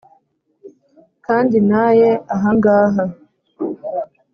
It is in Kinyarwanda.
kandi naYe Aha ngaha